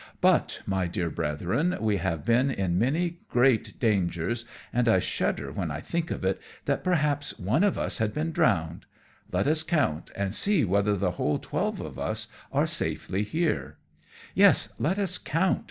But, my dear Brethren, we have been in many great dangers, and I shudder when I think of it, that perhaps one of us has been drowned. Let us count, and see whether the whole twelve of us are safely here." "Yes, let us count!"